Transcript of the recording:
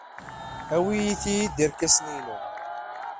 Awyet-iyi-d irkasen-inu!